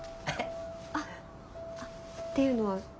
あっあっっていうのは？